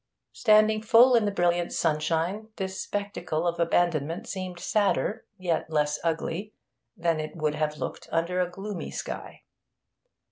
Standing full in the brilliant sunshine, this spectacle of abandonment seemed sadder, yet less ugly, than it would have looked under a gloomy sky.